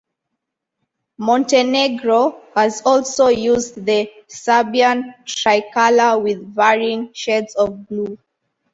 Montenegro has also used the Serbian tricolor with varying shades of blue.